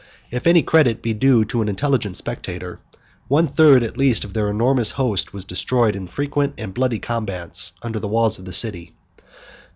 If any credit be due to an intelligent spectator, one third at least of their enormous host was destroyed, in frequent and bloody combats under the walls of the city.